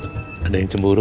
siapa yang cemburu